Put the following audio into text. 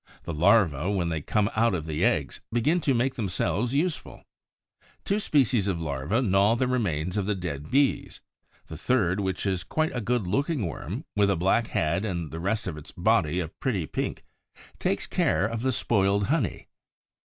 The larvæ, when they come out of the eggs, begin to make themselves useful. Two species of larvæ gnaw the remains of the dead Bees; the third, which is quite a good looking worm, with a black head and the rest of its body a pretty pink, takes care of the spoiled honey.